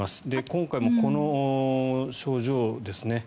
今回もこの賞状ですね